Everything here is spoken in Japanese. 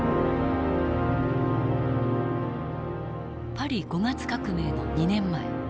パリ５月革命の２年前。